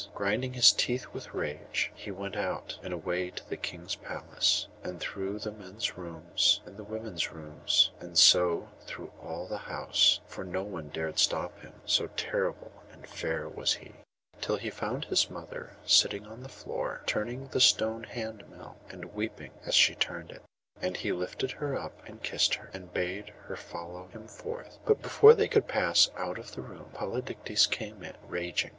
Grinding his teeth with rage, he went out, and away to the king's palace, and through the men's rooms, and the women's rooms, and so through all the house (for no one dared stop him, so terrible and fair was he), till he found his mother sitting on the floor, turning the stone hand mill, and weeping as she turned it. And he lifted her up, and kissed her, and bade her follow him forth. But before they could pass out of the room Polydectes came in, raging.